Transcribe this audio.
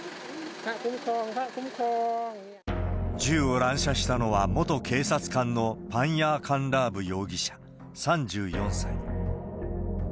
銃を乱射したのは、元警察官のパンヤー・カンラーブ容疑者３４歳。